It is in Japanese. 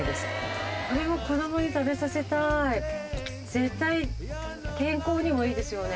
絶対健康にもいいですよね。